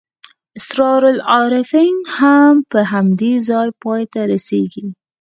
اسرار العارفین هم په همدې ځای پای ته رسېږي.